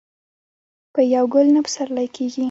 په يو ګل نه پسرلی کيږي.